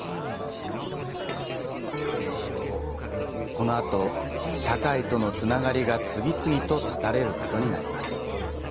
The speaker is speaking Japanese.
このあと、社会とのつながりが次々と絶たれることになります。